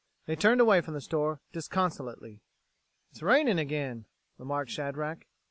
They turned away from the store disconsolately. "It's raining again," remarked Shadrack.